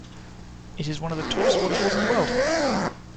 It is one of the tallest waterfalls in the world.